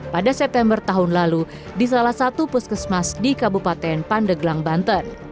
pada september tahun lalu di salah satu puskesmas di kabupaten pandeglang banten